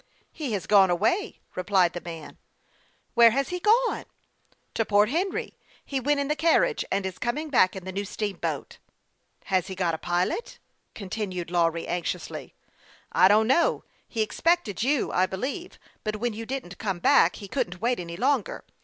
He has gone away," replied the man. " Where has he gone ?" 4* 42 HASTE AND WASTE, OK " To Port Henry ; he went in the carriage, and is coming back in the new steamboat." " Has he got a pilot ?" continued Lawry, anx iously. " I don't know ; he expected you, I believe ; but when you didn't come back, he couldn't wait any longer.